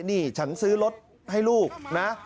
นี่ฉันซื้อรถให้ลูกนะ